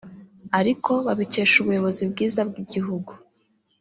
ariko babikesheje ubuyobozi bwiza bw’igihugu